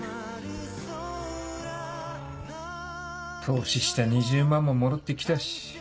投資した２０万も戻って来たし